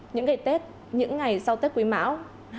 những ngày tết những ngày sau tết quý mão hai nghìn hai mươi ba